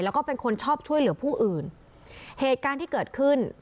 แล้วก็เป็นคนชอบช่วยเหลือผู้อื่นเหตุการณ์ที่เกิดขึ้น